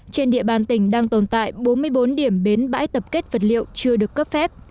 trên địa bàn tỉnh đang tồn tại bốn mươi bốn điểm bến bãi tập kết vật liệu chưa được cấp phép